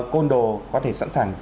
côn đồ có thể sẵn sàng